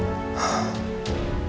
menangkal perilaku riki selama ini